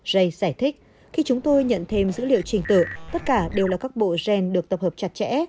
j giải thích khi chúng tôi nhận thêm dữ liệu trình tự tất cả đều là các bộ gen được tập hợp chặt chẽ